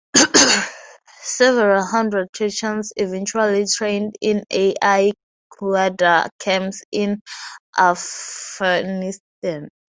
Several hundred Chechens eventually trained in Al-Qaida camps in Afghanistan.